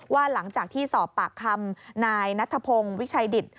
หลังจากที่สอบปากคำนายนัทพงศ์วิชัยดิต